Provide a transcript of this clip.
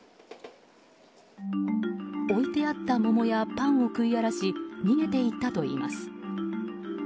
置いてあった桃やパンを食い荒らし逃げていったといいます。